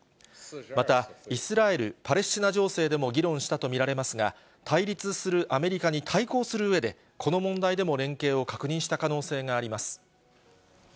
また、イスラエル・パレスチナ情勢でも議論したと見られますが、対立するアメリカに対抗するうえで、この問題でも連携を確認した可能性があります。